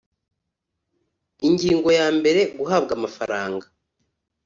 Ingingo ya mbere Guhabwa amafaranga